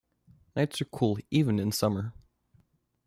Nights are cool, even in summer.